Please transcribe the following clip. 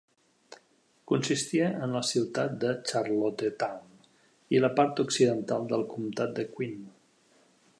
Consistia en la ciutat de Charlottetown i la part occidental del comtat de Queen.